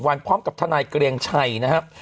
วันพร้อมกับทนายเกรียงชัยนะครับ